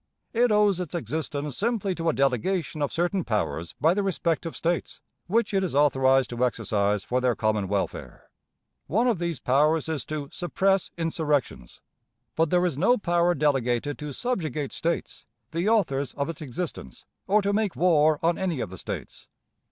It owes its existence simply to a delegation of certain powers by the respective States, which it is authorized to exercise for their common welfare. One of these powers is to "suppress insurrections"; but there is no power delegated to subjugate States, the authors of its existence, or to make war on any of the States.